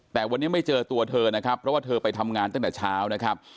แต่วันนี้ไม่เจอตัวเธอนะครับเพราะว่าเธอไปทำงานตั้งแต่เช้านะครับ